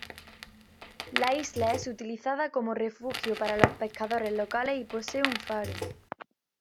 La Isla es utilizada como refugio para los pescadores locales y posee un faro.